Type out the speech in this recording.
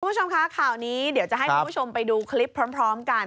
คุณผู้ชมคะข่าวนี้เดี๋ยวจะให้คุณผู้ชมไปดูคลิปพร้อมกัน